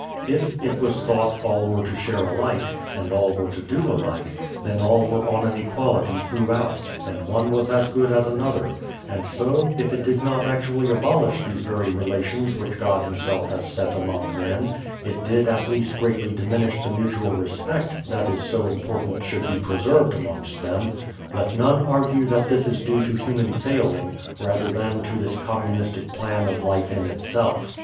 If (it was thought) all were to share alike, and all were to do alike, then all were on an equality throughout, and one was as good as another; and so, if it did not actually abolish those very relations which God himself has set among men, it did at least greatly diminish the mutual respect that is so important should be preserved amongst them. Let none argue that this is due to human failing, rather than to this communistic plan of life in itself.